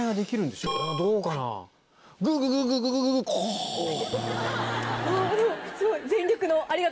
でもすごい。